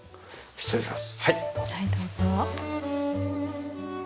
失礼します。